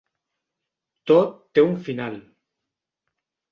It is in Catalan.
Tot té un final.